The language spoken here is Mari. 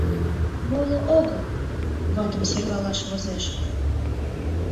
Моло огыл, ватым сӧрвалаш возеш.